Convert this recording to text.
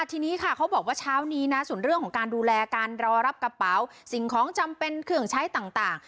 ทีนี้ค่ะเขาบอกว่าเช้านี้นะส่วนเรื่องของการดูแลการรอรับกระเป๋าสิ่งของจำเป็นเครื่องใช้ต่าง